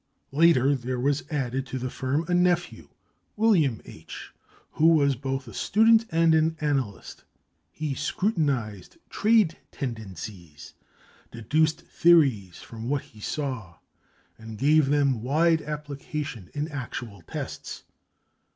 Later, there was added to the firm a nephew, William H., who was both a student and an analyst. He scrutinized trade tendencies, deduced theories from what he saw, and gave them wide application in actual tests.